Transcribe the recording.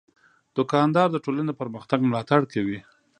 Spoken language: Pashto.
دوکاندار د ټولنې د پرمختګ ملاتړ کوي.